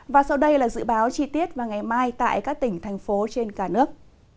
và sau đây là dự báo chi tiết vào ngày mai tại các tỉnh thành phố trên cả nước